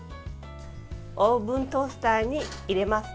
オーブントースターに入れます。